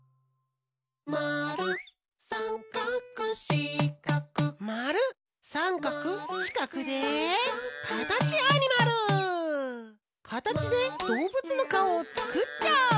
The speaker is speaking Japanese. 「まるさんかくしかく」まるさんかくしかくでカタチでどうぶつのかおをつくっちゃおう！